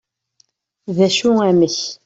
d acu amek?